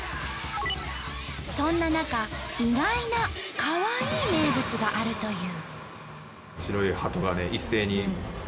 そんな中意外な「カワイイ名物」があるという。